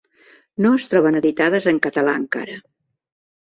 No es troben editades en català encara.